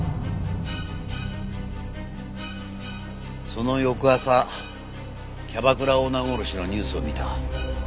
その翌朝キャバクラオーナー殺しのニュースを見た。